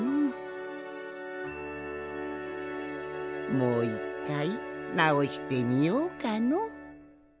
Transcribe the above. もう１かいなおしてみようかの。